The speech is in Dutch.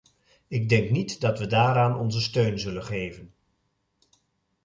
Ik denk niet dat we daaraan onze steun zullen geven.